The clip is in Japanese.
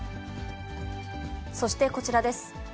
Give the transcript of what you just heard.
そしてこちらです。